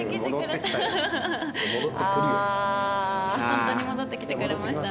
本当に戻ってきてくれました。